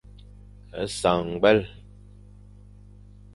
Sañ ñgwel.